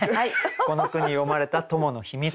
この句に詠まれたトモの秘密